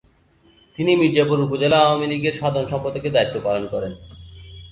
তিনি মির্জাপুর উপজেলা আওয়ামী লীগের সাধারণ সম্পাদকের দায়িত্ব পালন করেন।